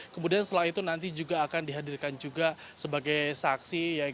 kemudian setelah itu nanti juga akan dihadirkan juga sebagai saksi